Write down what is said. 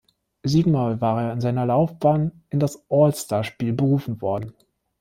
Siebenmal war er in seiner Laufbahn in das All-Star-Spiel berufen worden.